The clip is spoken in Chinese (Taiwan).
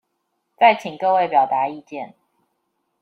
再請各位表達意見